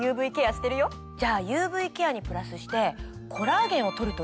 じゃあＵＶケアにプラスしてコラーゲンを取るといいよ。